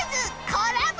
コラボ